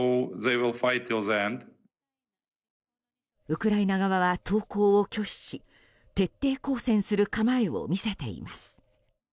ウクライナ側は投降を拒否し徹底抗戦する構えを見せています。